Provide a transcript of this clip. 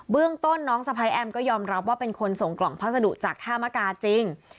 เรื่องต้นน้องสะพ้ายแอมก็ยอมรับว่าเป็นคนส่งกล่องพัสดุจากท่ามกาจริง